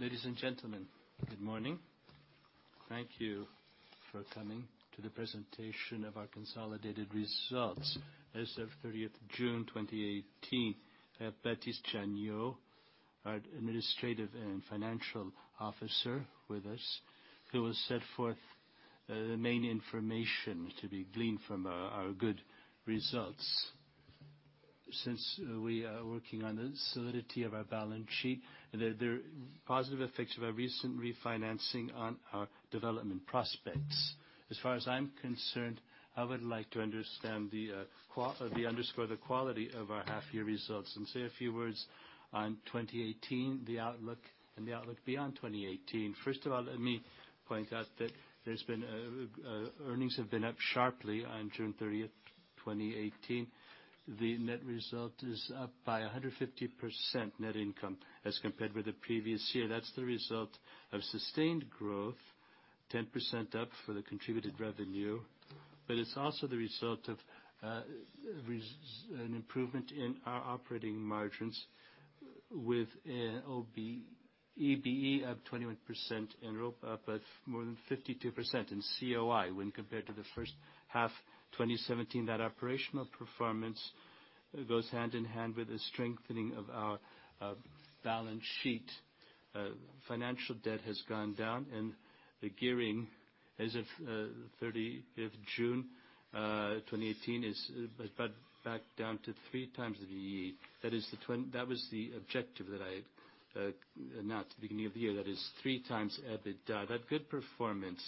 Ladies and gentlemen, good morning. Thank you for coming to the presentation of our consolidated results as of 30th June 2018. We have Baptiste Janiaud, our administrative and financial officer with us, who will set forth the main information to be gleaned from our good results. Since we are working on the solidity of our balance sheet, the positive effects of our recent refinancing on our development prospects. As far as I'm concerned, I would like to underscore the quality of our half year results, and say a few words on 2018, the outlook, and the outlook beyond 2018. First of all, let me point out that earnings have been up sharply on June 30th, 2018. The net result is up by 150% net income as compared with the previous year. That's the result of sustained growth, 10% up for the contributed revenue, but it's also the result of an improvement in our operating margins with EBE up 21% and up more than 52% in COI when compared to the first half 2017. That operational performance goes hand in hand with the strengthening of our balance sheet. Financial debt has gone down, and the gearing as of 30th June 2018 is back down to three times the EBE. That was the objective that I announced at the beginning of the year. That is three times EBITDA. That good performance,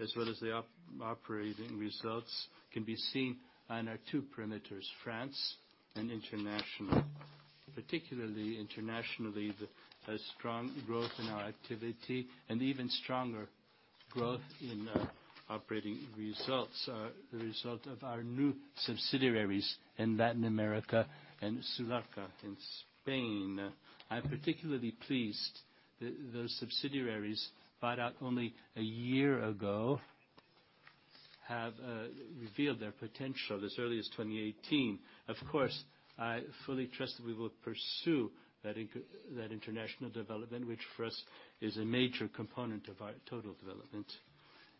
as well as the operating results, can be seen on our two perimeters, France and international. Particularly internationally, the strong growth in our activity and even stronger growth in operating results are the result of our new subsidiaries in Latin America and Solarca in Spain. I'm particularly pleased those subsidiaries, bought out only a year ago, have revealed their potential as early as 2018. Of course, I fully trust that we will pursue that international development, which for us is a major component of our total development.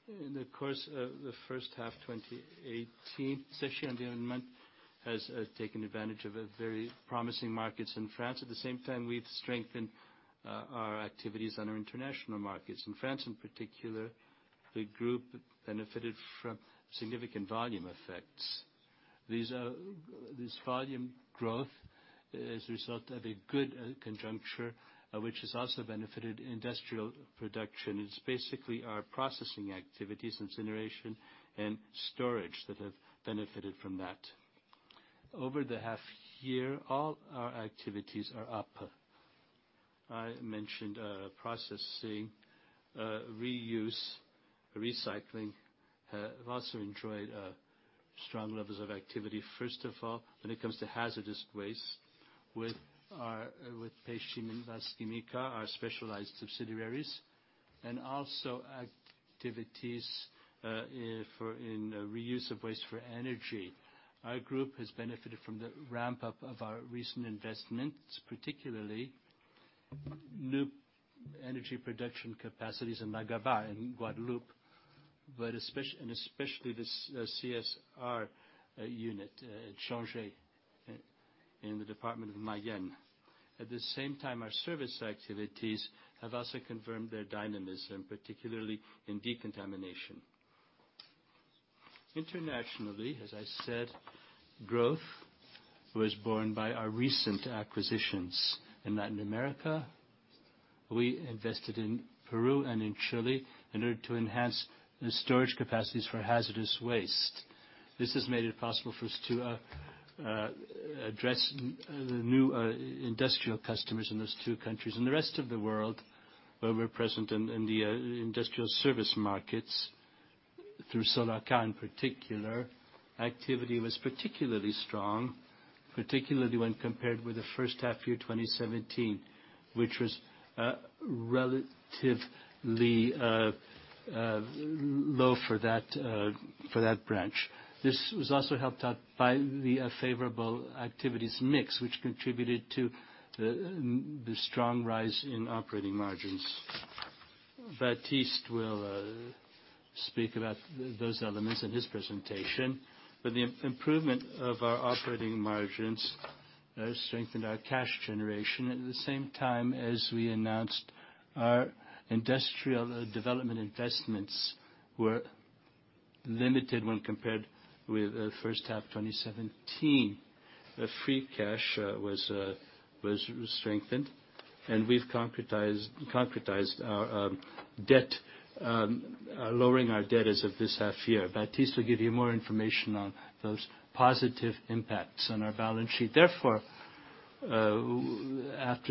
In the course of the first half 2018, Séché Environnement has taken advantage of very promising markets in France. At the same time, we've strengthened our activities on our international markets. In France, in particular, the group benefited from significant volume effects. This volume growth is a result of a good conjuncture, which has also benefited industrial production. It's basically our processing activities, incineration, and storage that have benefited from that. Over the half year, all our activities are up. I mentioned processing, reuse, recycling have also enjoyed strong levels of activity. First of all, when it comes to hazardous waste with Speichim and Valls Química, our specialized subsidiaries, and also activities in reuse of waste for energy. Our group has benefited from the ramp-up of our recent investments, particularly new energy production capacities in La Gavotte in Guadeloupe, and especially the CSR unit at Changé in the department of Mayenne. At the same time, our service activities have also confirmed their dynamism, particularly in decontamination. Internationally, as I said, growth was borne by our recent acquisitions. In Latin America, we invested in Peru and in Chile in order to enhance the storage capacities for hazardous waste. This has made it possible for us to address the new industrial customers in those two countries. In the rest of the world, where we're present in the industrial service markets through Solarca in particular, activity was particularly strong, particularly when compared with the first half year 2017, which was relatively low for that branch. This was also helped out by the favorable activities mix, which contributed to the strong rise in operating margins. Baptiste will speak about those elements in his presentation, but the improvement of our operating margins strengthened our cash generation. At the same time as we announced our industrial development investments were limited when compared with the first half of 2017. Free cash was strengthened, and we've concretized our debt, lowering our debt as of this half year. Baptiste will give you more information on those positive impacts on our balance sheet. After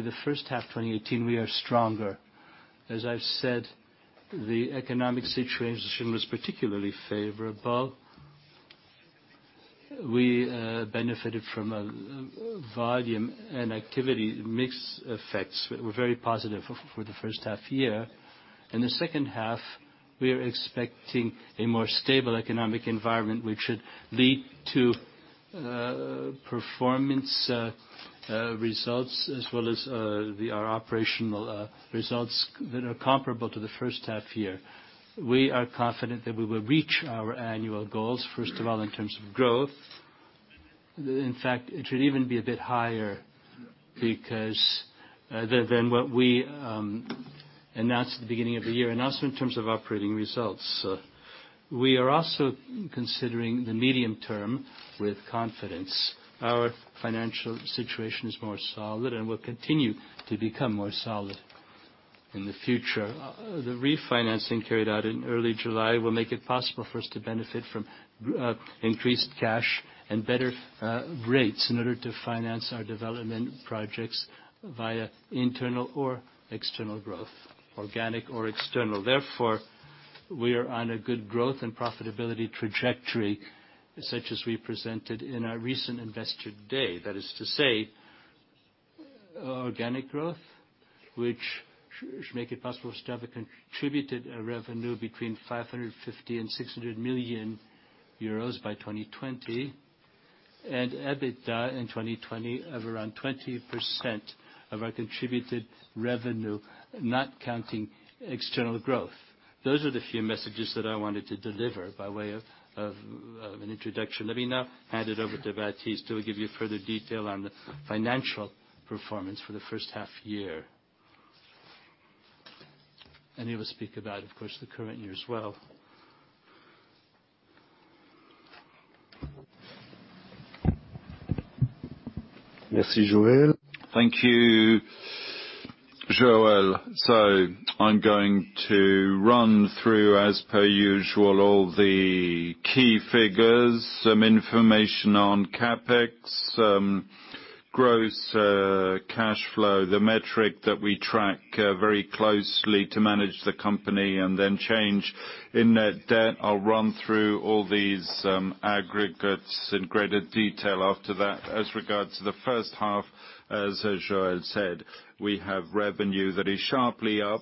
the first half 2018, we are stronger. As I've said, the economic situation was particularly favorable. We benefited from a volume and activity mix effects were very positive for the first half year. In the second half, we are expecting a more stable economic environment, which should lead to performance results as well as our operational results that are comparable to the first half year. We are confident that we will reach our annual goals, first of all, in terms of growth. It should even be a bit higher than what we announced at the beginning of the year, and also in terms of operating results. We are also considering the medium term with confidence. Our financial situation is more solid and will continue to become more solid in the future. The refinancing carried out in early July will make it possible for us to benefit from increased cash and better rates in order to finance our development projects via internal or external growth, organic or external. We are on a good growth and profitability trajectory, such as we presented in our recent Investor Day. That is to say, organic growth, which should make it possible to have a contributed revenue between 550 million and 600 million euros by 2020, and EBITDA in 2020 of around 20% of our contributed revenue, not counting external growth. Those are the few messages that I wanted to deliver by way of an introduction. Let me now hand it over to Baptiste, who will give you further detail on the financial performance for the first half year. He will speak about, of course, the current year as well. Merci, Joël. Thank you, Joël. I'm going to run through, as per usual, all the key figures, some information on CapEx, gross cash flow, the metric that we track very closely to manage the company, and then change in net debt. I'll run through all these aggregates in greater detail after that. As regards to the first half, as Joël said, we have revenue that is sharply up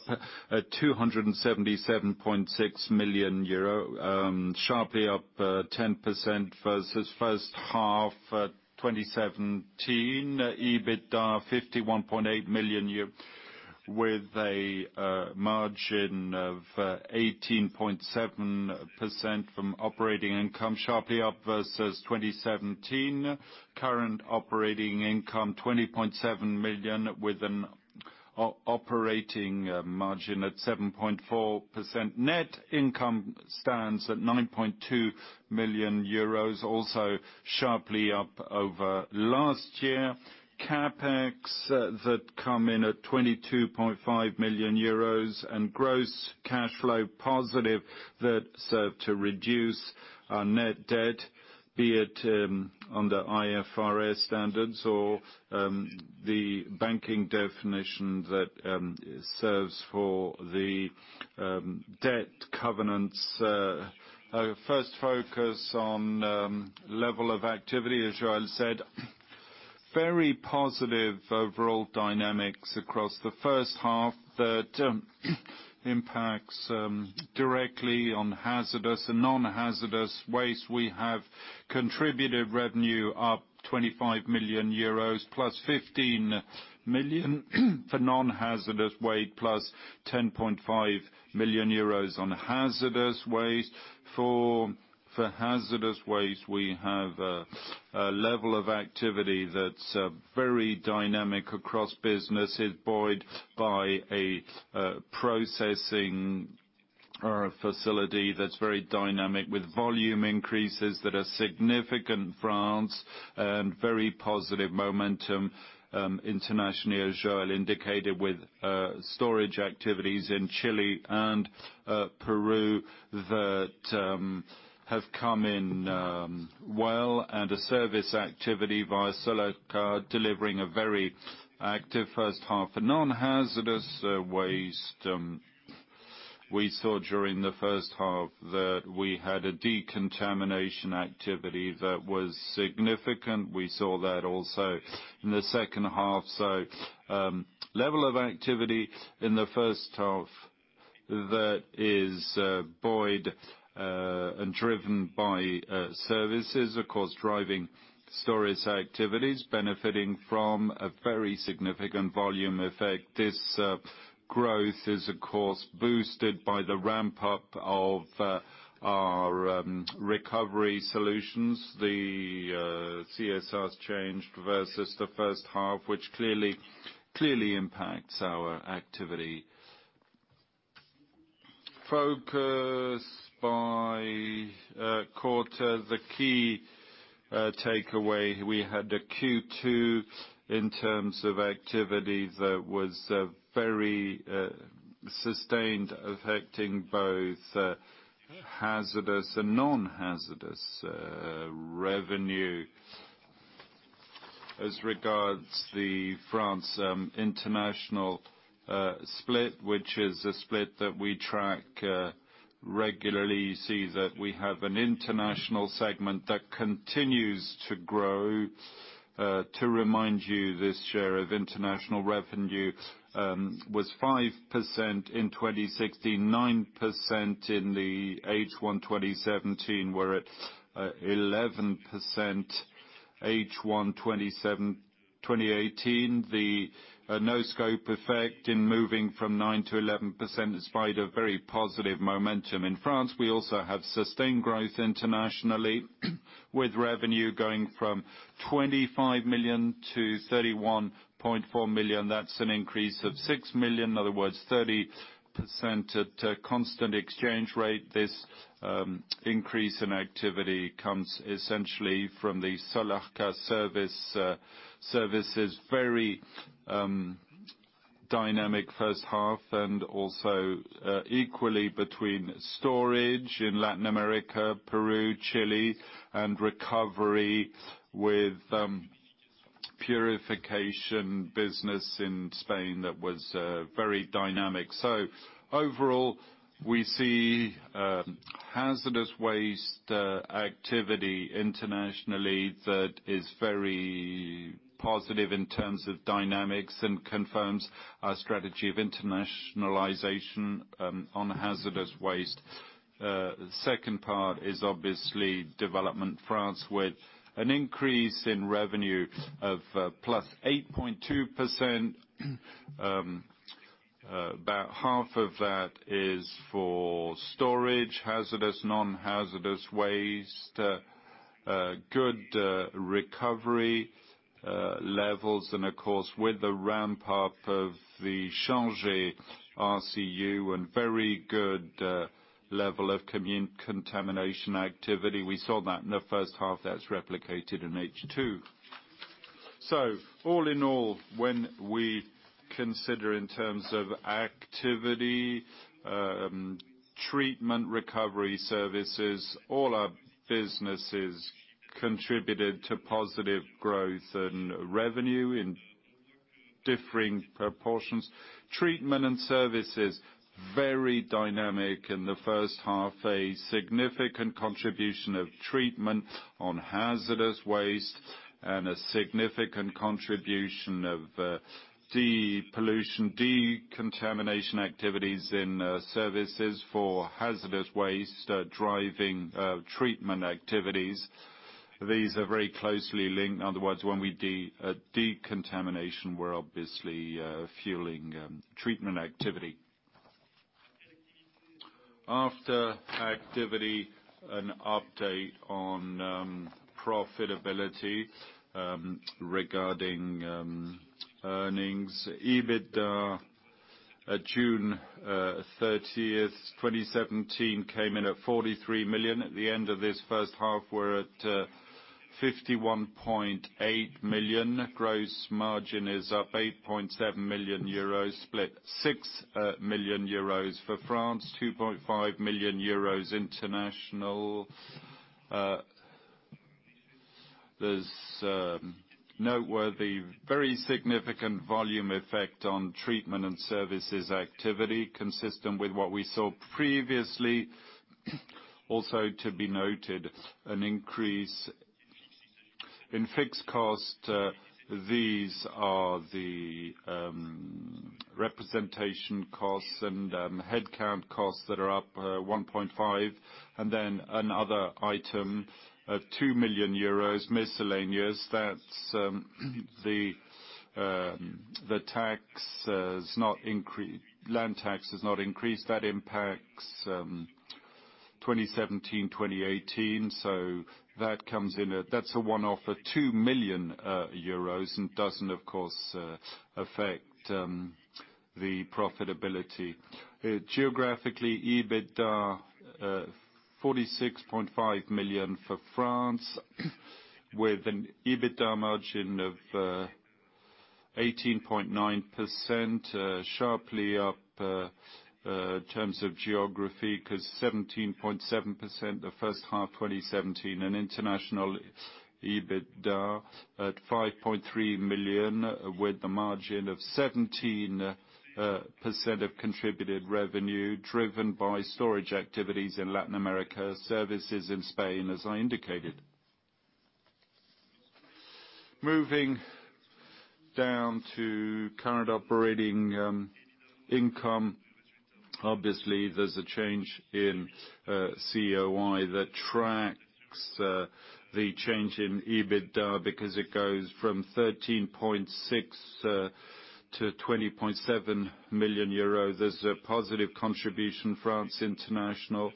at 277.6 million euro, sharply up 10% versus first half 2017. EBITDA, 51.8 million, with a margin of 18.7% from operating income, sharply up versus 2017. Current Operating Income, 20.7 million with an operating margin at 7.4%. Net income stands at 9.2 million euros, also sharply up over last year. CapEx that come in at 22.5 million euros, and gross cash flow positive that serve to reduce our net debt, be it on the IFRS standards or the banking definition that serves for the debt covenants. I will first focus on level of activity. As Joël said, very positive overall dynamics across the first half that impacts directly on hazardous and non-hazardous waste. We have contributed revenue up 25 million euros, plus 15 million for non-hazardous waste, plus 10.5 million euros on hazardous waste. For hazardous waste, we have a level of activity that is very dynamic across businesses, buoyed by a processing facility that is very dynamic with volume increases that are significant in France, and very positive momentum internationally, as Joël indicated, with storage activities in Chile and Peru that have come in well, and a service activity via Solarca delivering a very active first half. For non-hazardous waste, we saw during the first half that we had a decontamination activity that was significant. We saw that also in the second half. Level of activity in the first half that is buoyed and driven by services, of course, driving storage activities, benefiting from a very significant volume effect. This growth is, of course, boosted by the ramp-up of our recovery solutions. The CSRs Changé versus the first half, which clearly impacts our activity. Focus by quarter, the key takeaway, we had a Q2 in terms of activity that was very sustained, affecting both hazardous and non-hazardous revenue. As regards the France international split, which is a split that we track regularly, you see that we have an international segment that continues to grow. To remind you, this share of international revenue was 5% in 2016, 9% in the H1 2017. We are at 11% H1 2018. The no scope effect in moving from 9% to 11%, in spite of very positive momentum in France, we also have sustained growth internationally with revenue going from 25 million to 31.4 million. That is an increase of 6 million, in other words, 30% at a constant exchange rate. This increase in activity comes essentially from the Solarca services, very dynamic first half, and also equally between storage in Latin America, Peru, Chile, and recovery with purification business in Spain that was very dynamic. Overall, we see hazardous waste activity internationally that is very positive in terms of dynamics and confirms our strategy of internationalization on hazardous waste. Second part is obviously Development France, with an increase in revenue of +8.2%. About half of that is for storage, hazardous, non-hazardous waste, good recovery levels, and of course, with the ramp-up of the Changé RCU, and very good level of contamination activity. We saw that in the first half. That is replicated in H2. All in all, when we consider in terms of activity, treatment, recovery services, all our businesses contributed to positive growth in revenue in differing proportions. Treatment and services, very dynamic in the first half. A significant contribution of treatment on hazardous waste, and a significant contribution of decontamination activities in services for hazardous waste, driving treatment activities. These are very closely linked. In other words, when we decontaminate, we are obviously fueling treatment activity. After activity, an update on profitability regarding earnings. EBITDA at June 30th, 2017, came in at 43 million. At the end of this first half, we are at 51.8 million. Gross margin is up 8.7 million euros, split 6 million euros for France, 2.5 million euros international. There's noteworthy, very significant volume effect on treatment and services activity consistent with what we saw previously. Also to be noted, an increase in fixed costs. These are the representation costs and headcount costs that are up 1.5 million. Another item of 2 million euros, miscellaneous. The land tax has not increased. That impacts 2017/2018. That's a one-off of 2 million euros and doesn't, of course, affect the profitability. Geographically, EBITDA 46.5 million for France, with an EBITDA margin of 18.9%, sharply up in terms of geography, because 17.7% the H1 2017. In international, EBITDA at 5.3 million with a margin of 17% of contributed revenue, driven by storage activities in Latin America, services in Spain, as I indicated. Moving down to current operating income. Obviously, there's a change in COI that tracks the change in EBITDA because it goes from 13.6 to 20.7 million euros. There's a positive contribution France International.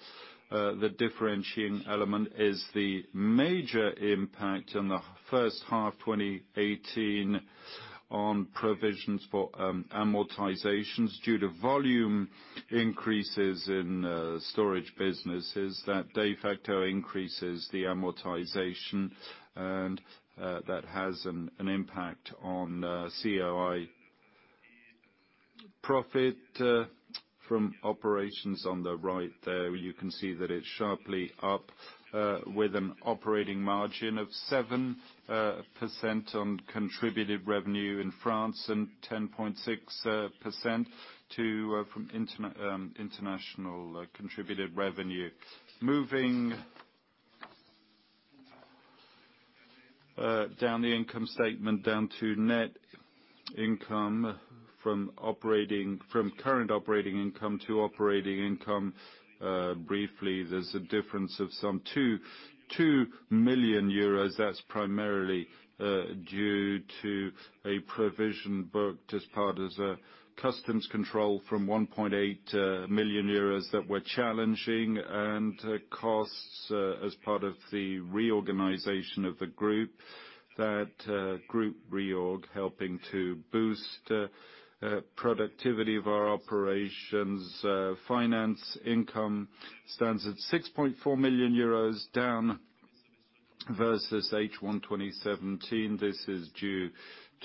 The differentiating element is the major impact on the H1 2018 on provisions for amortization due to volume increases in storage businesses. That de facto increases the amortization, and that has an impact on COI profit from operations on the right there. You can see that it's sharply up with an operating margin of 7% on contributed revenue in France and 10.6% from international contributed revenue. Moving down the income statement, down to net income from current operating income to operating income. Briefly, there's a difference of some 2 million euros. That's primarily due to a provision booked as part of a customs control from 1.8 million euros that we're challenging, and costs as part of the reorganization of the group. That group reorg helping to boost productivity of our operations. Finance income stands at 6.4 million euros, down versus H1 2017. This is due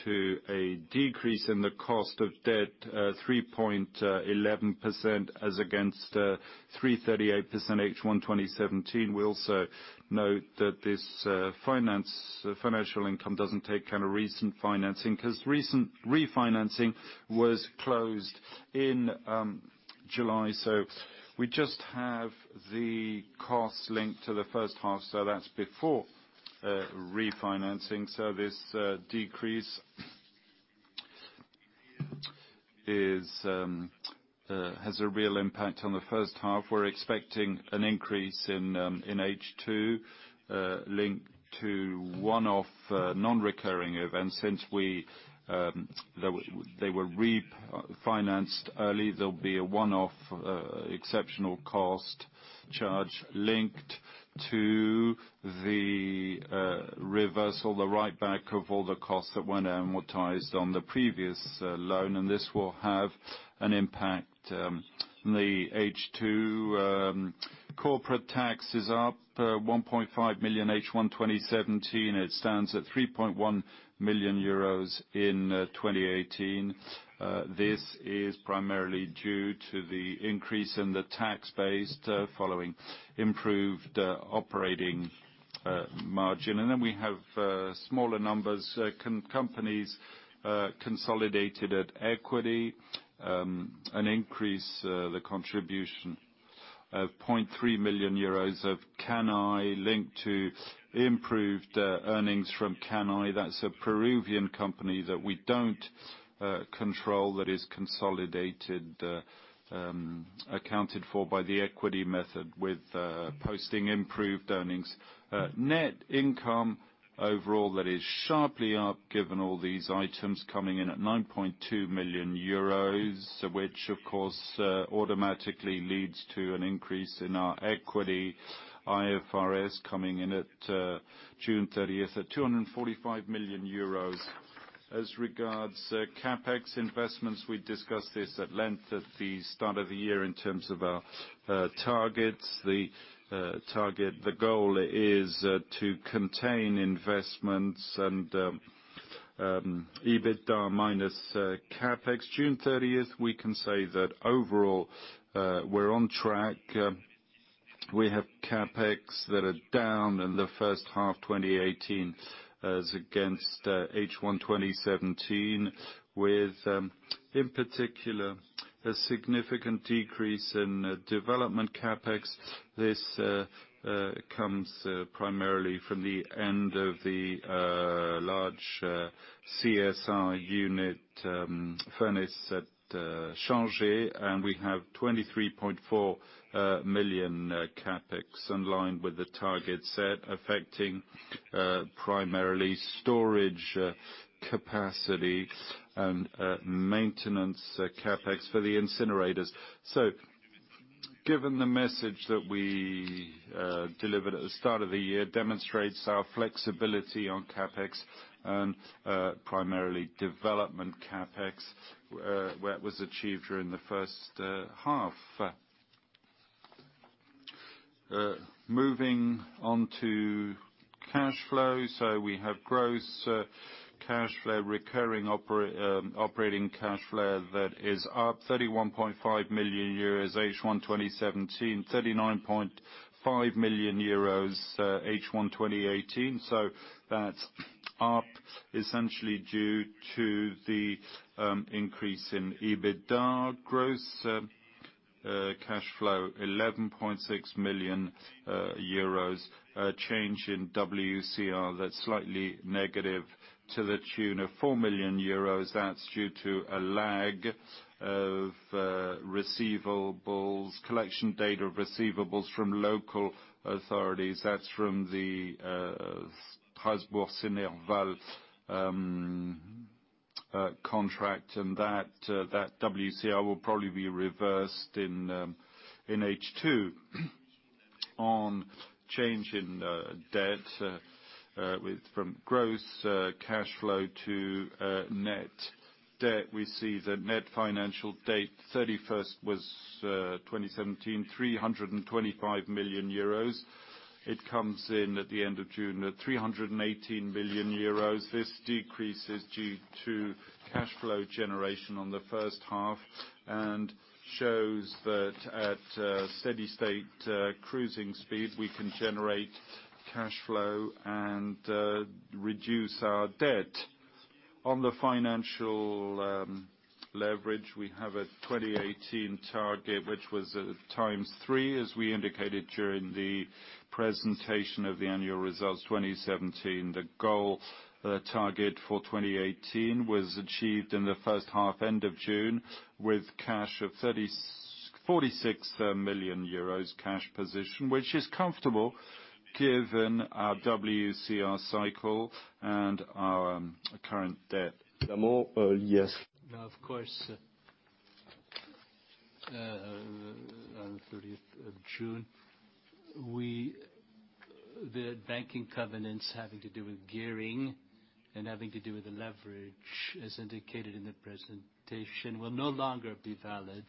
to a decrease in the cost of debt, 3.11% as against 3.38% H1 2017. We also note that this financial income doesn't take recent financing, because recent refinancing was closed in July, we just have the costs linked to the H1, that's before refinancing. This decrease has a real impact on the H1. We're expecting an increase in H2 linked to one-off non-recurring events. Since they were refinanced early, there'll be a one-off exceptional cost charge linked to the reversal, the write-back of all the costs that were amortized on the previous loan, and this will have an impact on the H2. Corporate tax is up 1.5 million H1 2017. It stands at 3.1 million euros in 2018. This is primarily due to the increase in the tax base following improved operating margin. We have smaller numbers. Companies consolidated at equity, an increase, the contribution of 0.3 million euros of Kanay linked to improved earnings from Kanay. That's a Peruvian company that we don't control, that is consolidated, accounted for by the equity method with posting improved earnings. Net income overall, that is sharply up given all these items coming in at 9.2 million euros. Of course, automatically leads to an increase in our equity IFRS coming in at June 30th at 245 million euros. As regards CapEx investments, we discussed this at length at the start of the year in terms of our targets. The target, the goal is to contain investments and EBITDA minus CapEx June 30th. We can say that overall we're on track. We have CapEx that are down in the first half 2018 as against H1 2017, with, in particular, a significant decrease in development CapEx. This comes primarily from the end of the large CSR unit furnace at Changé, and we have 23.4 million CapEx in line with the target set, affecting primarily storage capacity and maintenance CapEx for the incinerators. Given the message that we delivered at the start of the year demonstrates our flexibility on CapEx and primarily development CapEx, where it was achieved during the first half. Moving on to cash flow. We have gross cash flow, recurring operating cash flow that is up 31.5 million euros H1 2017, 39.5 million euros H1 2018. That's up essentially due to the increase in EBITDA. Gross cash flow, 11.6 million euros. A change in WCR that's slightly negative to the tune of 4 million euros. That's due to a lag of receivables, collection data of receivables from local authorities. That's from the Strasbourg Séché Environnement contract, that WCR will probably be reversed in H2. On change in debt from gross cash flow to net debt, we see the net financial debt 31st 2017, 325 million euros. It comes in at the end of June at 318 million euros. This decrease is due to cash flow generation on the first half and shows that at steady state cruising speed, we can generate cash flow and reduce our debt. On the financial leverage, we have a 2018 target, which was at 3x, as we indicated during the presentation of the annual results 2017. The goal, the target for 2018 was achieved in the first half end of June, with cash of 46 million euros cash position, which is comfortable given our WCR cycle and our current debt. Yes. Of course. On 30th of June, the banking covenants having to do with gearing and having to do with the leverage, as indicated in the presentation, will no longer be valid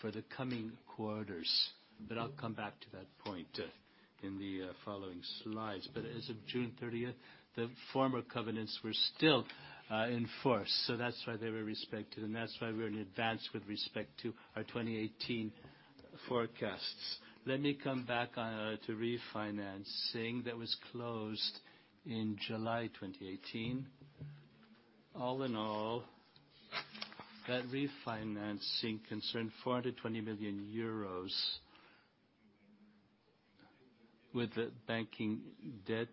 for the coming quarters, I'll come back to that point in the following slides. As of June 30th, the former covenants were still in force, that's why they were respected, that's why we're in advance with respect to our 2018 forecasts. Let me come back to refinancing that was closed in July 2018. All in all, that refinancing concerned EUR 420 million with the banking debt,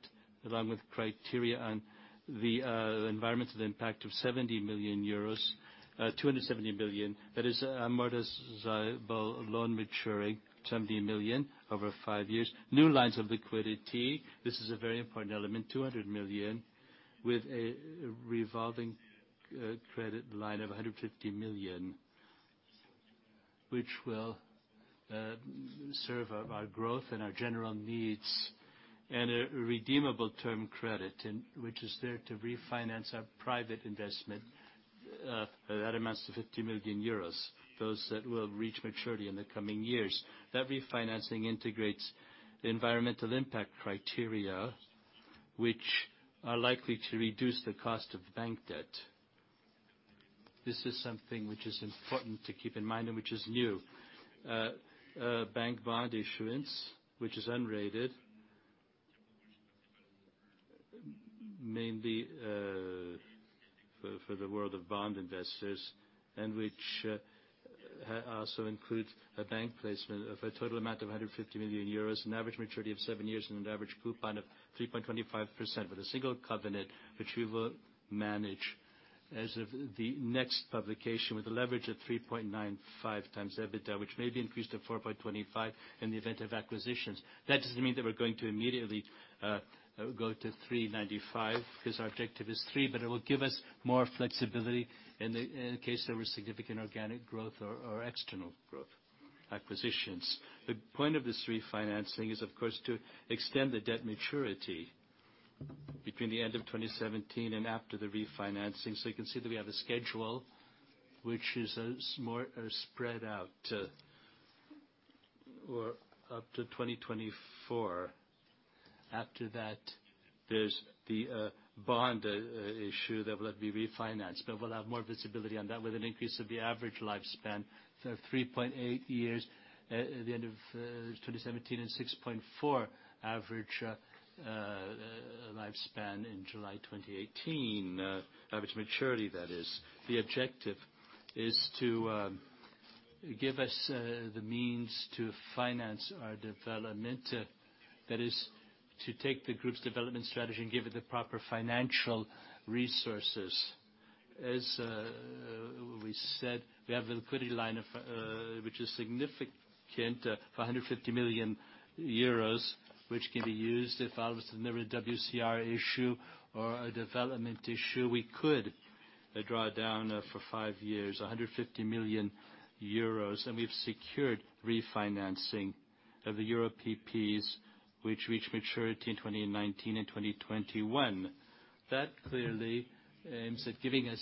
along with criteria and the environmental impact of 270 million. That is an amortizable loan maturing, 70 million over five years. New lines of liquidity. This is a very important element, 200 million with a revolving credit line of 150 million, which will serve our growth and our general needs. A redeemable term credit, which is there to refinance our private investment. That amounts to 50 million euros. Those that will reach maturity in the coming years. That refinancing integrates the environmental impact criteria, which are likely to reduce the cost of bank debt. This is something which is important to keep in mind and which is new. Bank bond issuance, which is unrated, mainly for the world of bond investors, and which also includes a bank placement of a total amount of 150 million euros, an average maturity of 7 years, and an average coupon of 3.25% with a single covenant, which we will manage as of the next publication with a leverage of 3.95x EBITDA, which may be increased to 4.25x in the event of acquisitions. That doesn't mean that we're going to immediately go to 3.95x, because our objective is three, but it will give us more flexibility in case there was significant organic growth or external growth acquisitions. The point of this refinancing is, of course, to extend the debt maturity between the end of 2017 and after the refinancing. You can see that we have a schedule, which is more spread out, or up to 2024. There's the bond issue that will be refinanced, we'll have more visibility on that with an increase of the average lifespan for 3.8 years at the end of 2017 and 6.4 average lifespan in July 2018. Average maturity, that is. The objective is to give us the means to finance our development. To take the group's development strategy and give it the proper financial resources. We have a liquidity line which is significant for 150 million euros, which can be used if there ever was a WCR issue or a development issue. We could draw down for five years 150 million euros, we've secured refinancing of the Euro PPs, which reach maturity in 2019 and 2021. That clearly aims at giving us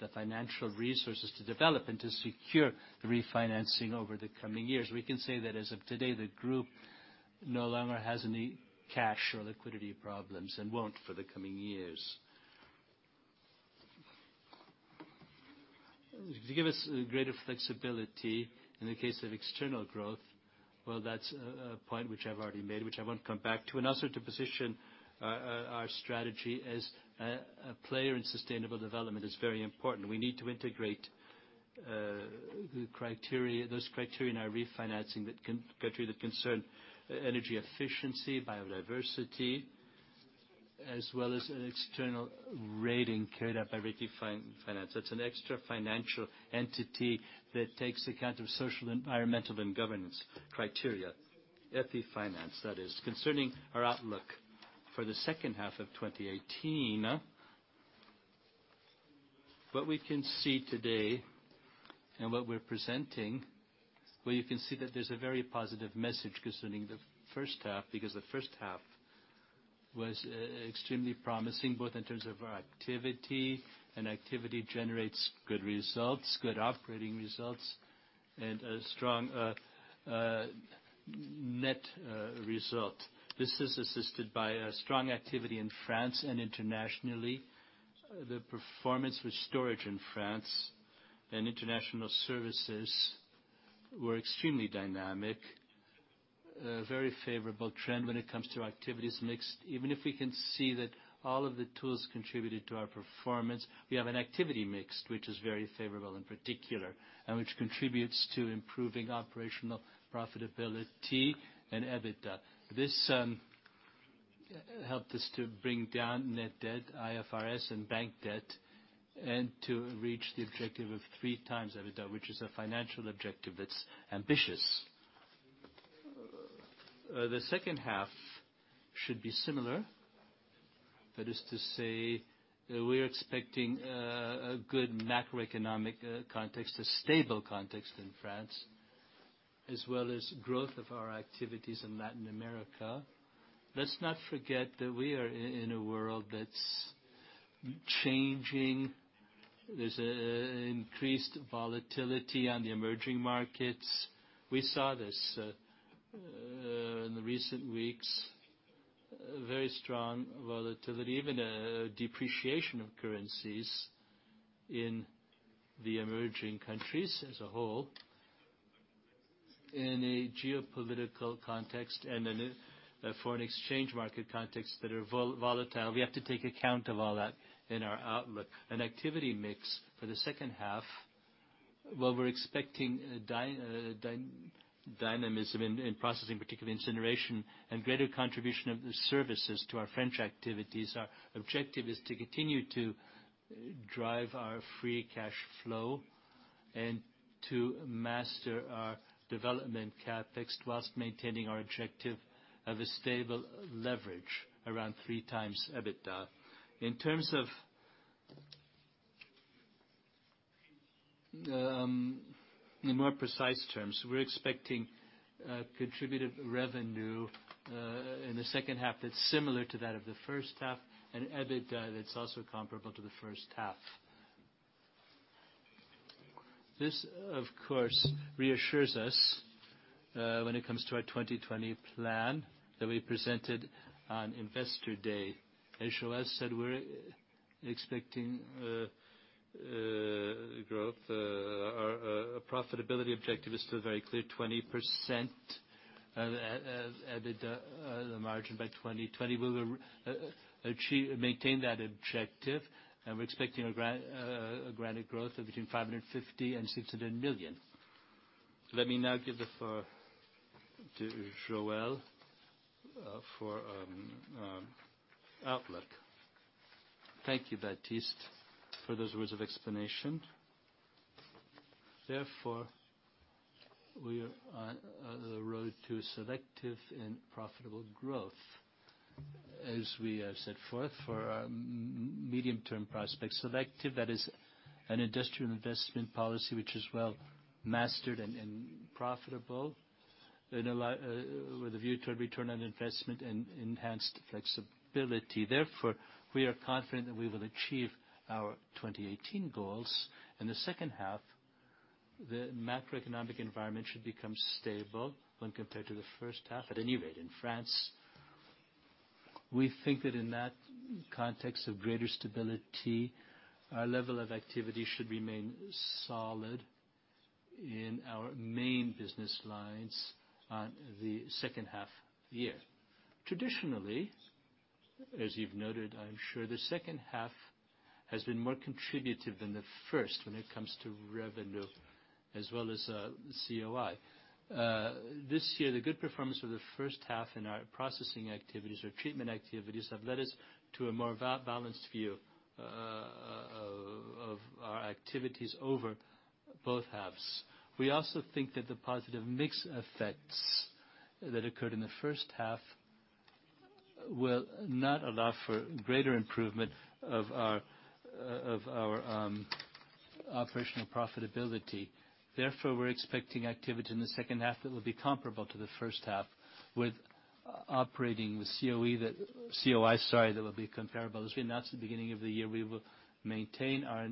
the financial resources to develop and to secure the refinancing over the coming years. We can say that as of today, the group no longer has any cash or liquidity problems and won't for the coming years. To give us greater flexibility in the case of external growth, that's a point which I've already made, which I won't come back to. Also to position our strategy as a player in sustainable development is very important. We need to integrate those criteria in our refinancing that can go through the concerned energy efficiency, biodiversity, as well as an external rating carried out by EthiFinance. That's an extra financial entity that takes account of social, environmental, and governance criteria. EthiFinance, that is. Concerning our outlook for the second half of 2018, what we can see today and what we're presenting, you can see that there's a very positive message concerning the first half, because the first half was extremely promising, both in terms of our activity, and activity generates good results, good operating results, and a strong net result. This is assisted by a strong activity in France and internationally. The performance with storage in France and international services were extremely dynamic. A very favorable trend when it comes to activity mixed. Even if we can see that all of the tools contributed to our performance, we have an activity mix, which is very favorable in particular, and which contributes to improving operational profitability and EBITDA. This helped us to bring down net debt, IFRS and bank debt, and to reach the objective of three times EBITDA, which is a financial objective that's ambitious. The second half should be similar. That is to say, we are expecting a good macroeconomic context, a stable context in France, as well as growth of our activities in Latin America. Let's not forget that we are in a world that's changing. There's increased volatility on the emerging markets. We saw this in the recent weeks, very strong volatility, even a depreciation of currencies in the emerging countries as a whole. In a geopolitical context and in a foreign exchange market context that are volatile, we have to take account of all that in our outlook. An activity mix for the second half, while we're expecting dynamism in processing, particularly incineration, and greater contribution of the services to our French activities, our objective is to continue to drive our free cash flow and to master our development CapEx whilst maintaining our objective of a stable leverage around three times EBITDA. In more precise terms, we're expecting contributed revenue in the second half that's similar to that of the first half and EBITDA that's also comparable to the first half. This, of course, reassures us when it comes to our 2020 plan that we presented on Investor Day. As Joël said, we're expecting growth. Our profitability objective is still very clear, 20% EBITDA margin by 2020. We will maintain that objective, and we're expecting organic growth of between 550 million and 600 million. Let me now give the floor to Joël for outlook. Thank you, Baptiste, for those words of explanation. Therefore, we are on the road to selective and profitable growth as we have set forth for our medium-term prospects. Selective, that is an industrial investment policy which is well mastered and profitable with a view to a return on investment and enhanced flexibility. Therefore, we are confident that we will achieve our 2018 goals. In the second half, the macroeconomic environment should become stable when compared to the first half. At any rate, in France, we think that in that context of greater stability, our level of activity should remain solid in our main business lines on the second half of the year. Traditionally, as you've noted, I'm sure the second half has been more contributive than the first when it comes to revenue as well as COI. This year, the good performance of the first half in our processing activities or treatment activities have led us to a more balanced view of our activities over both halves. We also think that the positive mix effects that occurred in the first half will not allow for greater improvement of our operational profitability. Therefore, we are expecting activity in the second half that will be comparable to the first half with operating COI, sorry, that will be comparable. As we announced at the beginning of the year, we will maintain our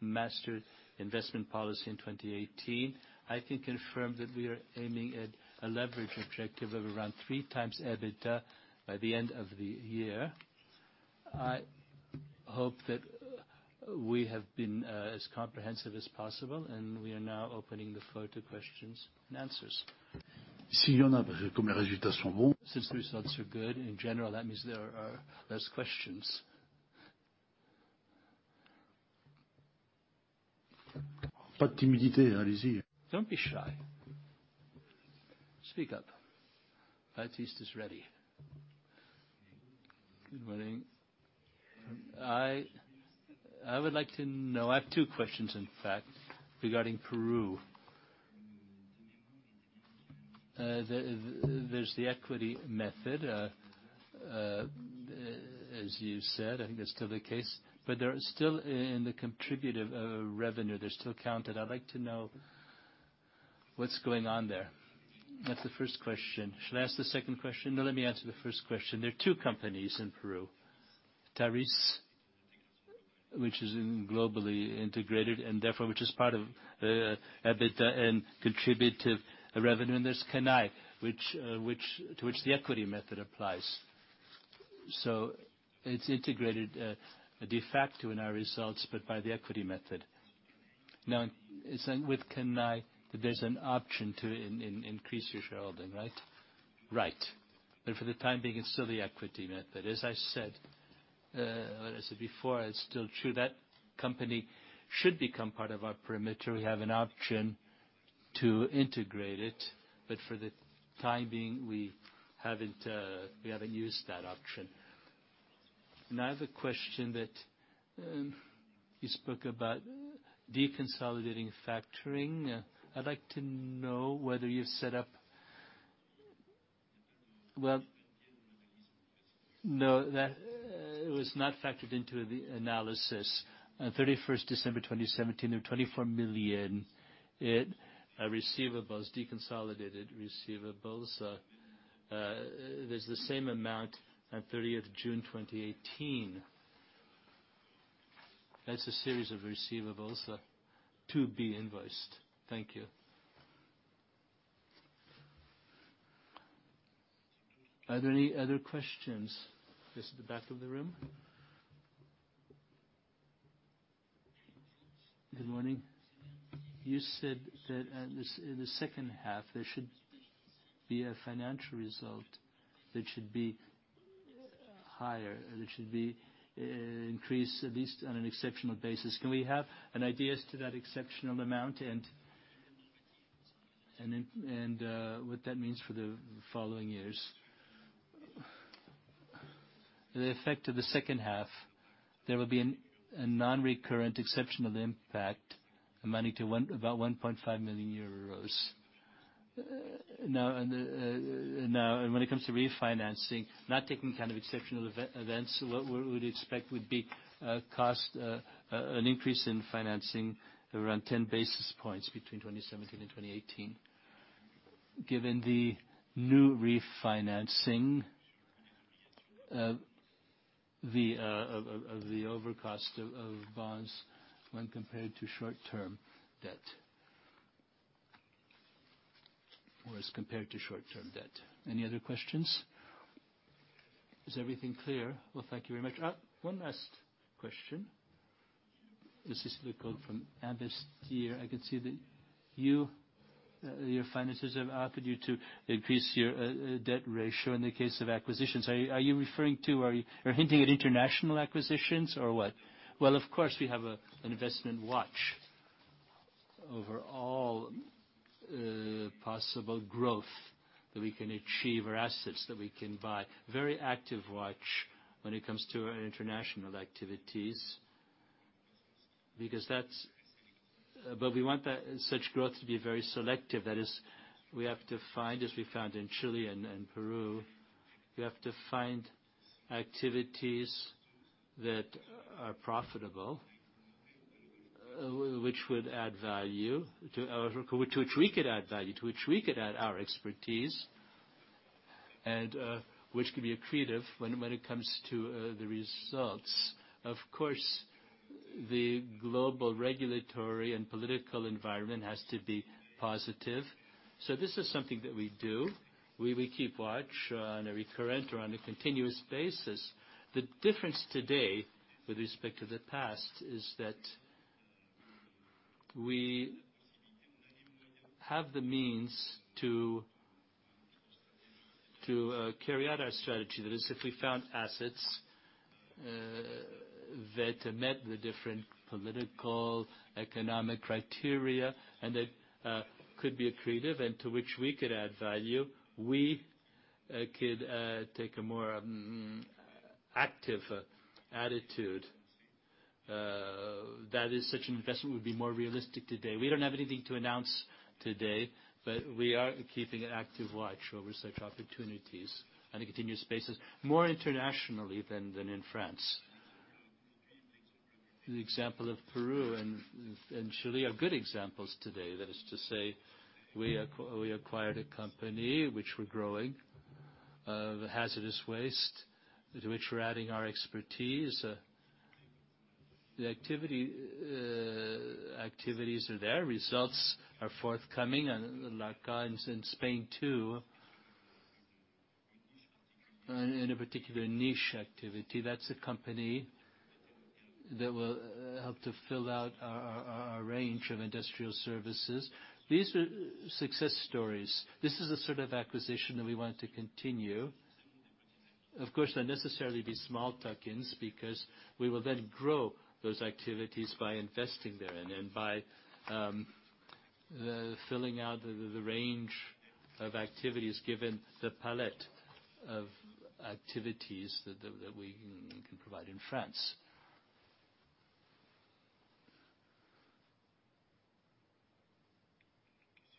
master investment policy in 2018. I can confirm that we are aiming at a leverage objective of around 3 times EBITDA by the end of the year. We are now opening the floor to questions and answers. Since results are good in general, that means there are less questions. Don't be shy. Speak up. Baptiste is ready. Good morning. I have 2 questions, in fact, regarding Peru. There's the equity method, as you said, I think that's still the case, but they're still in the contributive revenue. They're still counted. I'd like to know what's going on there. That's the first question. Should I ask the second question? No, let me answer the first question. There are 2 companies in Peru, Tauris, which is globally integrated and therefore, which is part of EBITDA and contributive revenue, and there's Kanay, to which the equity method applies. So it's integrated de facto in our results, but by the equity method. With Kanay, there's an option to increase your shareholding, right? Right. But for the time being, it's still the equity method. I said before, it's still true. That company should become part of our perimeter. We have an option to integrate it, but for the time being, we haven't used that option. I have a question that you spoke about deconsolidating factoring. I'd like to know whether you set up No, that was not factored into the analysis. On 31st December 2017, there were 24 million in receivables, deconsolidated receivables. There's the same amount on 30th June 2018. That's a series of receivables to be invoiced. Thank you. Are there any other questions? Yes, at the back of the room. Good morning. You said that in the second half, there should be a financial result that should be higher, or that should be increased, at least on an exceptional basis. Can we have an idea as to that exceptional amount and what that means for the following years? The effect of the second half, there will be a non-recurrent, exceptional impact amounting to about 1.5 million euros. Now, when it comes to refinancing, not taking kind of exceptional events, what we would expect would be a cost, an increase in financing around 10 basis points between 2017 and 2018. Given the new refinancing of the over cost of bonds when compared to short-term debt. As compared to short-term debt. Any other questions? Is everything clear? Thank you very much. One last question. This is Luca from [Abastie]. I can see that your finances have offered you to increase your debt ratio in the case of acquisitions. Are you referring to, or hinting at international acquisitions or what? Of course, we have an investment watch over all possible growth that we can achieve or assets that we can buy. Very active watch when it comes to our international activities. We want such growth to be very selective. That is, we have to find, as we found in Chile and Peru, we have to find activities that are profitable, which would add value, to which we could add value, to which we could add our expertise, and which could be accretive when it comes to the results. Of course, the global regulatory and political environment has to be positive. This is something that we do. We keep watch on a recurrent or on a continuous basis. The difference today with respect to the past is that we have the means to carry out our strategy. That is, if we found assets that met the different political, economic criteria, and that could be accretive, and to which we could add value, we could take a more active attitude. That is, such an investment would be more realistic today. We don't have anything to announce today. We are keeping an active watch over such opportunities on a continuous basis, more internationally than in France. The example of Peru and Chile are good examples today. That is to say, we acquired a company which we're growing, of hazardous waste, to which we're adding our expertise. The activities are there. Results are forthcoming, and Solarca in Spain, too, in a particular niche activity. That's a company that will help to fill out our range of industrial services. These were success stories. This is the sort of acquisition that we want to continue. Of course, they'll necessarily be small tuck-ins because we will then grow those activities by investing therein and by filling out the range of activities given the palette of activities that we can provide in France.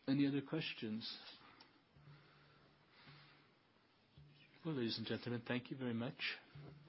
Any other questions? Well, ladies and gentlemen, thank you very much.